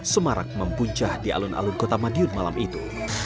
semarang mempuncah di alun alun kota madiun malam itu